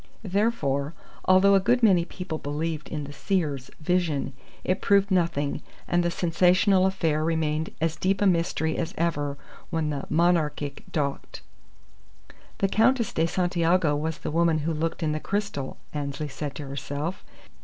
Therefore, although a good many people believed in the seeress's vision, it proved nothing, and the sensational affair remained as deep a mystery as ever when the Monarchic docked. "The Countess de Santiago was the woman who looked in the crystal!" Annesley said to herself.